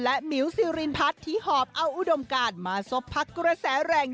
และหมิวซีลินพัดที่หอบเอาอุดมกาลมาสบพักกุระแสแรง